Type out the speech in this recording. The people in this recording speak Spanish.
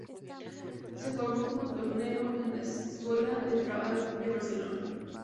Se formó como tornero en la "Escola del Treball" de Barcelona.